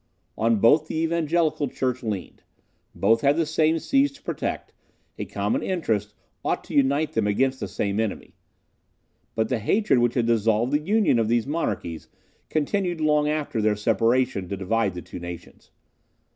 On both the evangelical church leaned; both had the same seas to protect; a common interest ought to unite them against the same enemy. But the hatred which had dissolved the union of these monarchies continued long after their separation to divide the two nations.